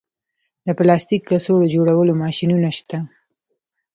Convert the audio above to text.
د پلاستیک کڅوړو جوړولو ماشینونه شته